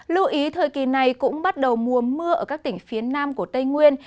lưu ý thời kỳ này cũng bắt đầu mùa mưa ở các tỉnh phía nam của tây nguyên